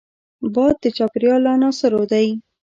باد د چاپېریال له عناصرو دی